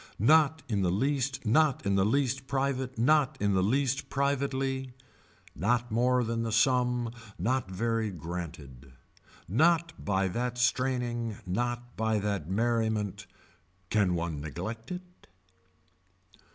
Not in the least not in the least private not in the least privately. Not more than the sum not very granted. Not by that straining not by that merriment. Can one neglect it.